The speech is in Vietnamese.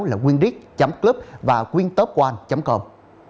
là windix club và windtop một com